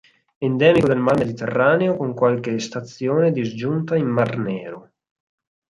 Endemico del mar Mediterraneo con qualche stazione disgiunta in mar Nero.